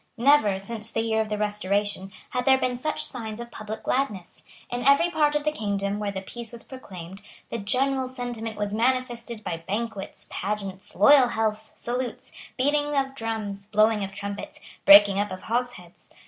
Never, since the year of the Restoration, had there been such signs of public gladness. In every part of the kingdom where the peace was proclaimed, the general sentiment was manifested by banquets, pageants, loyal healths, salutes, beating of drums, blowing of trumpets, breaking up of hogsheads.